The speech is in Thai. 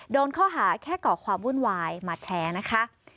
โดนข้อหาแค่ก่อความวุ่นวายมาแชร์นะคะ